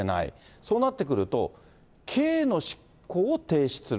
そうなってくると、刑の執行を停止する。